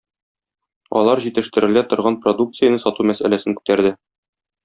Алар җитештерелә торган продукцияне сату мәсьәләсен күтәрде.